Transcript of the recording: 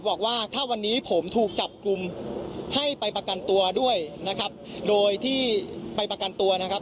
บอกว่าถ้าวันนี้ผมถูกจับกลุ่มให้ไปประกันตัวด้วยนะครับโดยที่ไปประกันตัวนะครับ